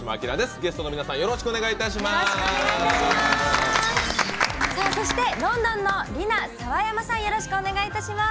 ゲストの皆さんよろしくお願いいたします。